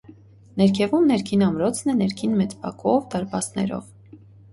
Ներքևում ներքին ամրոցն է՝ ներքին մեծ բակով, դարպասներով։